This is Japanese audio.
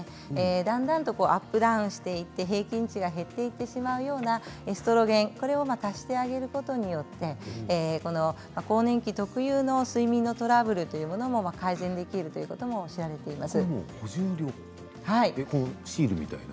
だんだんとアップダウンして平均値が減っていくようなエストロゲンを足してあげるような更年期特有の睡眠のトラブルも改善できることが知られています。